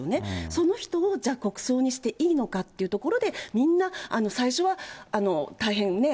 その人を、じゃあ国葬にしていいのかっていうところで、みんな最初は大変ね、